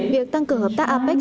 việc tăng cường hợp tác apec